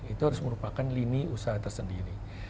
itu harus merupakan lini usaha tersendiri